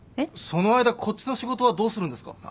その間こっちの仕事はどうするんですか？